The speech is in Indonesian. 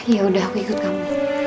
yaudah aku ikut kamu